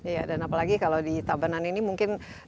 iya dan apalagi kalau di tabanan ini mungkin dari segi dijualan